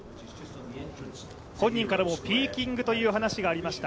本人からもピーキングという話がありました